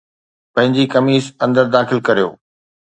پنهنجي قميص اندر داخل ڪريو